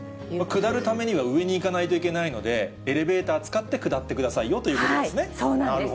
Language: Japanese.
下るためには上に行かないといけないので、エレベーター使って下ってくださいよということでそうなんです。